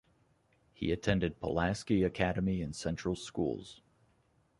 He attended Pulaski Academy and Central Schools.